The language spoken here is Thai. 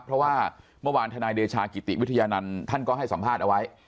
เพราะว่าเมื่อวานธนายเดชากิติวิทยานันต์ท่านก็ให้สัมภาษณ์เอาไว้